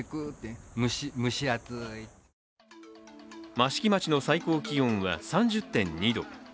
益城町の最高気温は３０．２度。